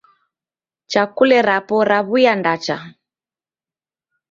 Chakule rapo raw'uya ndacha